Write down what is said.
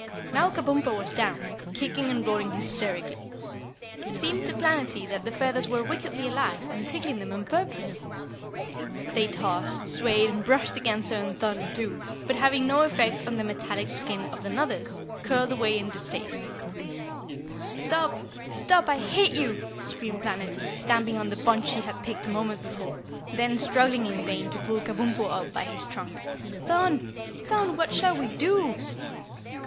Now Kabumpo was down, kicking and rolling hysterically. It seemed to Planetty that the feathers were wickedly alive and tickling them on purpose. They tossed, swayed and brushed against her and Thun, too, but having no effect on the metalic skin of the Nuthers, curled away in distaste. "Stop! Stop! I hate you!" screamed Planetty, stamping on the bunch she had picked a moment before, then struggling in vain to pull Kabumpo up by his trunk. "Thun! Thun! What shall we do?"